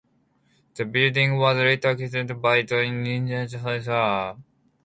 The building was later acquired by the vintner Johan Fr.